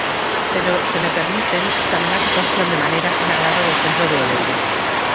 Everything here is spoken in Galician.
Pero, se me permiten, tamén a situación de maneira sinalada do centro de Oleiros.